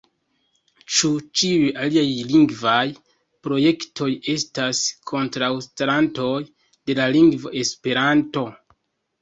Ĉu ĉiuj aliaj lingvaj projektoj estas kontraŭstarantoj de la lingvo Esperanto?